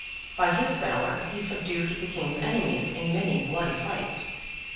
By his valour he subdued the King's enemies in many bloody fights.